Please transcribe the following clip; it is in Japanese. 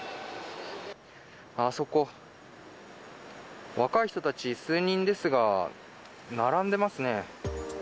あそこ、若い人たち、数人ですが、並んでますね。